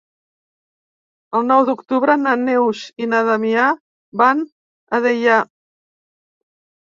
El nou d'octubre na Neus i na Damià van a Deià.